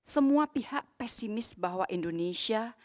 semua pihak pesimis bahwa indonesia